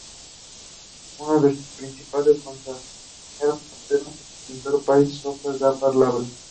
Uno de sus parientes consanguíneos paternos es el pintor paisajista Onofre Jarpa Labra.